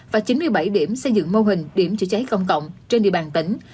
và chín mươi bảy điểm xây dựng mô hình điểm chữa cháy công cộng trên địa bàn tỉnh